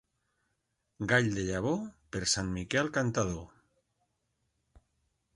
Gall de llavor, per Sant Miquel cantador.